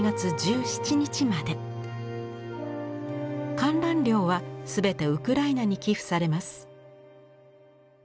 観覧料は全てウクライナに寄付されます。